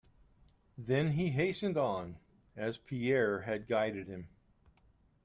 Then he hastened on, as Pierre had guided him.